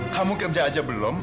kamu kerja aja belum